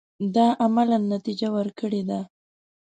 دا عملاً نتیجه ورکړې ده.